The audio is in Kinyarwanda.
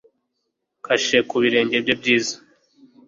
Kashe ku birenge bye byiza